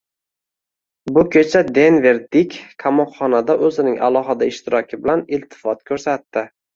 Bu kecha Denver Dik qimorxonada o`zining alohida ishtiroki bilan iltifot ko`rsatdi